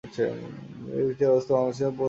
এই বিচার ব্যবস্থা বাংলাদেশে প্রজয্য।